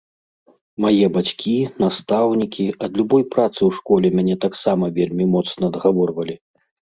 Мае бацькі, настаўнікі, ад любой працы ў школе мяне таксама вельмі моцна адгаворвалі.